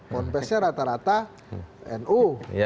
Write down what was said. ponpesnya rata rata nu